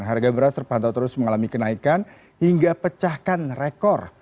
harga beras terpantau terus mengalami kenaikan hingga pecahkan rekor